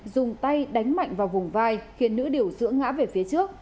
dùng tay đánh mạnh vào vùng vai khiến nữ điều dưỡng ngã về phía trước